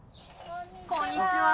こんにちは。